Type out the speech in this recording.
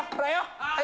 はい。